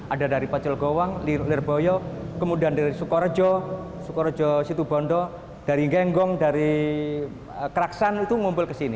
ada dari pacul gowang lirboyo kemudian dari sukorejo sukorejo situbondo dari genggong dari keraksan itu ngumpul ke sini